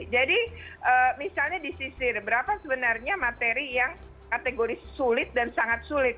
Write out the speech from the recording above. jadi misalnya disisir berapa sebenarnya materi yang kategori sulit dan sangat sulit